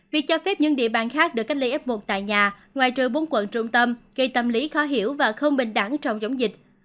việc cho phép những địa bàn khác được cách ly f một tại nhà ngoài trời bốn quận trung tâm gây tâm lý khó hiểu và không bình đẳng trong giống dịch